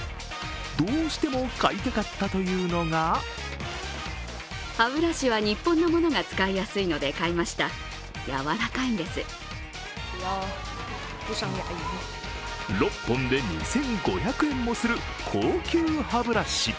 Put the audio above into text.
どうしても買いたかったというのが６本で２５００円もする高級歯ブラシ。